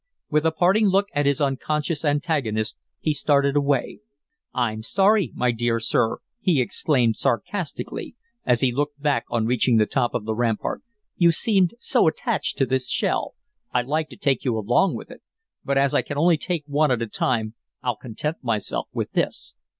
With a parting look at his unconscious antagonist he started away. "I'm sorry, my dear sir," he exclaimed, sarcastically, as he looked back on reaching the top of the rampart. "You seemed so attached to this shell, I'd like to take you along with it. But as I can only take one at a time, I'll content myself with this."